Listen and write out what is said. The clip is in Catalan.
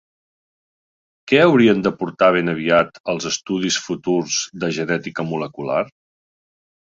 Què haurien d'aportar ben aviat els estudis futurs de genètica molecular?